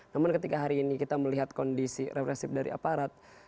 namun ketika hari ini kita melihat kondisi represif dari aparat